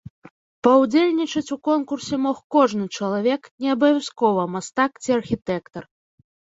Паўдзельнічаць у конкурсе мог кожны чалавек, не абавязкова мастак ці архітэктар.